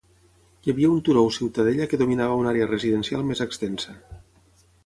Hi havia un turó o ciutadella que dominava una àrea residencial més extensa.